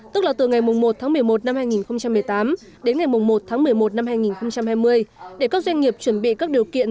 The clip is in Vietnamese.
tức là từ ngày một tháng một mươi một năm hai nghìn một mươi tám đến ngày một tháng một mươi một năm hai nghìn hai mươi để các doanh nghiệp chuẩn bị các điều kiện